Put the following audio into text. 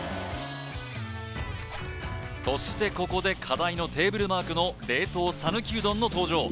そしてここで課題のテーブルマークの冷凍さぬきうどんの登場